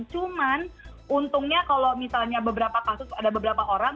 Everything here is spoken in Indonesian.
cuman untungnya kalau misalnya beberapa kasus ada beberapa orang